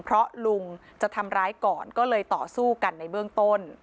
เพราะลุงจะทำร้ายก่อนก็เลยต่อสู้กันในเบื้องต้น